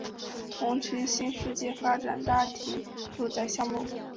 同区新世界发展大型住宅项目